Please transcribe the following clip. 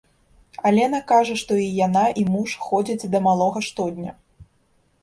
Алена кажа, што і яна, і муж ходзяць да малога штодня.